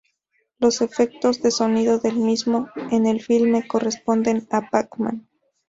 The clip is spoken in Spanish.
Los efectos de sonido del mismo en el filme, corresponden a "Pac Man".